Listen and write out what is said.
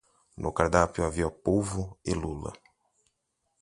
No cardápio, havia polvo e lula.